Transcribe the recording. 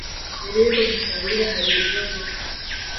Mbere yuko dutangira, hari ibibazo?